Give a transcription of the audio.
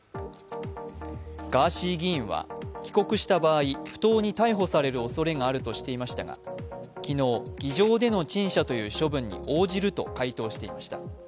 ガーシー議員は帰国した場合、不当に逮捕されるおそれがあるとしていましたが昨日、議場での陳謝という処分に応じると回答していました。